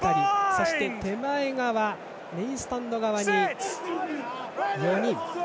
そして、手前側メインスタンド側に４人。